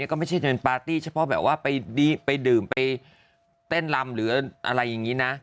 ก็ไม่ใช่เดินปาร์ตี้เฉพาะแบบว่าไปดื่มไปเต้นลำหรืออะไรอย่างนี้นะ